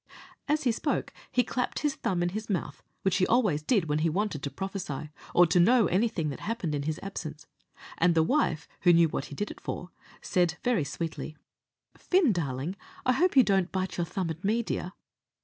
As he spoke, he clapped his thumb in his mouth, which he always did when he wanted to prophesy, or to know anything that happened in his absence; and the wife, who knew what he did it for, said, very sweetly, "Fin, darling, I hope you don't bite your thumb at me, dear?"